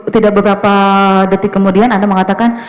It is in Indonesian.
tidak beberapa detik kemudian anda mengatakan